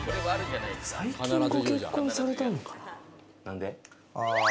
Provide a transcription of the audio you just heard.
最近ご結婚されたのかな？